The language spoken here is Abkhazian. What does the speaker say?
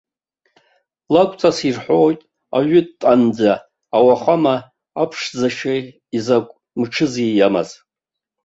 Лакәҵас ирҳәоит ажәытәанӡа ауахәама аԥшӡашьеи изакә мчызи иамаз.